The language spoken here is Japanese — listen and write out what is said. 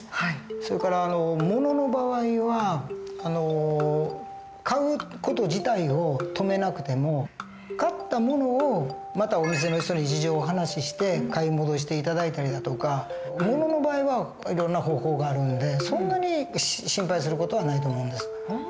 それから物の場合は買う事自体を止めなくても買った物をまたお店の人に事情をお話しして買い戻して頂いたりだとか物の場合はいろんな方法があるんでそんなに心配する事はないと思うんです。